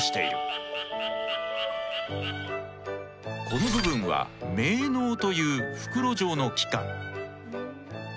この部分は鳴のうという袋状の器官。